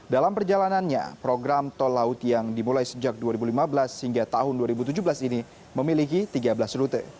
dalam perjalanannya program tol laut yang dimulai sejak dua ribu lima belas hingga tahun dua ribu tujuh belas ini memiliki tiga belas rute